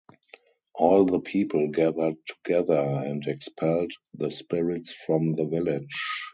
All the people gathered together and expelled the spirits from the village.